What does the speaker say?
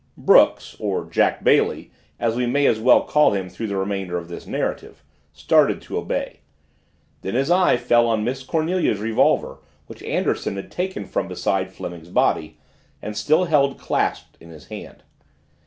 Brooks or Jack Bailey, as we may as well call him through the remainder of this narrative started to obey. Then his eye fell on Miss Cornelia's revolver which Anderson had taken from beside Fleming's body and still held clasped in his hand.